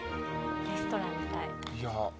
レストランみたい。